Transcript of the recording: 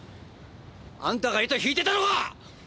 あんたが糸引いてたのか！？